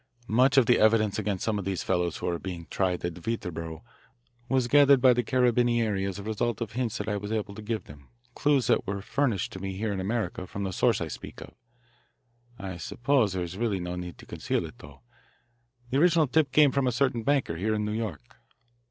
Much of the evidence against some of those fellows who are being tried at Viterbo was gathered by the Carabinieri as a result of hints that I was able to give them clues that were furnished to me here in America from the source I speak of. I suppose there is really no need to conceal it, though. The original tip came from a certain banker here in New York."